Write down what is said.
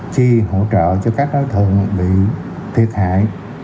chi hỗ trợ cho các đối tượng bị thiệt hại